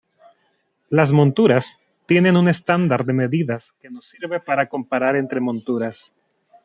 Las monturas tienen un estándar de medidas que nos sirve para comparar entre monturas.